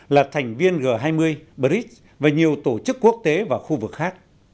là thành viên g hai mươi brics và nhiều tổ chức quốc tế và khu vực khác